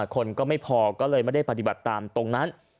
คนก็ไม่พอก็เลยไม่ได้ปฏิบัติตามตรงนั้น